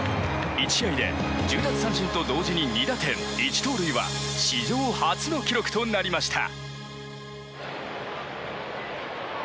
１試合で１０奪三振と同時に２打点、１盗塁は史上初の記録となりました。